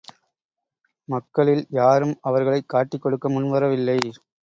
மக்களில் யாரும் அவர்களைக் காட்டிக் கொடுக்க முன்வரவில்லை.